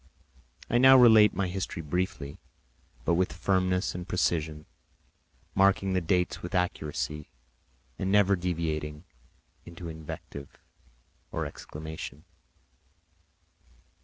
I now related my history briefly but with firmness and precision, marking the dates with accuracy and never deviating into invective or exclamation.